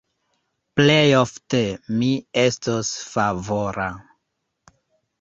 Plejofte mi estos favora.